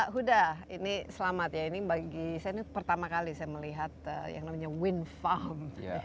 huda ini selamat ya ini bagi saya ini pertama kali saya melihat yang namanya wind farm